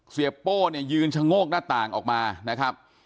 โป้เนี่ยยืนชะโงกหน้าต่างออกมานะครับ